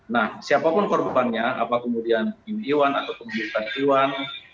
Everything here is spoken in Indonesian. nah siapapun korbannya apakah kemudian irwan atau kemudian irwan